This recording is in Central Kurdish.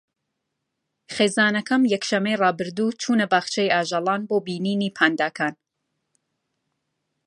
خێزانەکەم یەکشەممەی ڕابردوو چوونە باخچەی ئاژەڵان بۆ بینینی پانداکان.